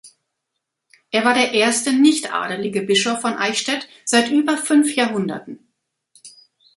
Er war der erste nichtadelige Bischof von Eichstätt seit über fünf Jahrhunderten.